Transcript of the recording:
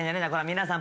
皆さん